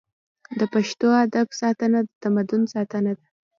د پښتو ادب ساتنه د تمدن ساتنه ده.